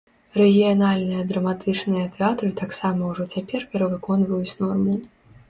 Рэгіянальныя драматычныя тэатры таксама ўжо цяпер перавыконваюць норму.